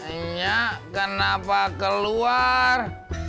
enya kenapa keluar